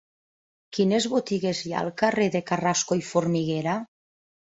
Quines botigues hi ha al carrer de Carrasco i Formiguera?